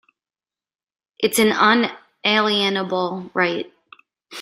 It's an unalienable right.